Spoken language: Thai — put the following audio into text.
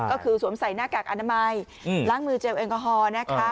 ก็คือสวมใส่หน้ากากอนามัยล้างมือเจลแอลกอฮอล์นะคะ